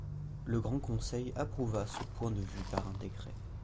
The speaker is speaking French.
Le Grand Conseil approuva ce point de vue par un décret.